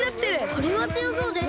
これはつよそうです！